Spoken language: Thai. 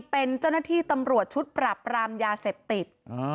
เป็นเจ้าหน้าที่ตำรวจชุดปรับรามยาเสพติด